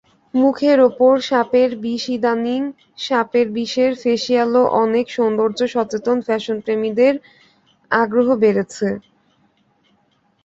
মুখের ওপর সাপের বিষইদানিং সাপের বিষের ফেসিয়ালও অনেক সৌন্দর্য-সচেতন ফ্যাশনপ্রেমীদের আগ্রহ বাড়াচ্ছে।